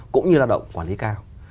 cũng như lao động quản lý cao